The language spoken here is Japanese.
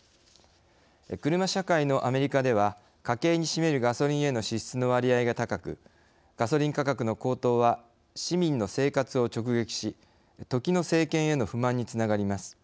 車社会のアメリカでは家計に占めるガソリンへの支出の割合が高くガソリン価格の高騰は市民の生活を直撃し時の政権への不満につながります。